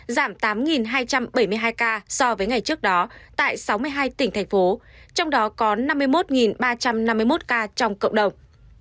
giảm tám hai trăm bảy mươi hai ca so với ngày trước đó tại sáu mươi hai tỉnh thành phố trong đó có năm mươi một ba trăm năm mươi một ca trong cộng đồng